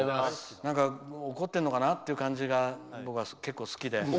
なんか怒ってるのかなって感じが僕は結構好きで。